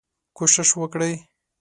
کوشش وکړئ